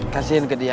kasihin ke dia